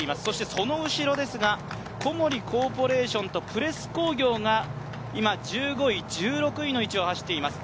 その後ろですが小森コーポレーションとプレス工業が今、今１５位、１６位の位置を走っています